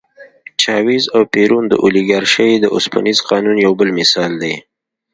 چاوېز او پېرون د اولیګارشۍ د اوسپنيز قانون یو بل مثال دی.